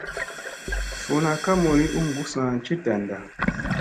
Suuna ka mooli u gussa ci danda.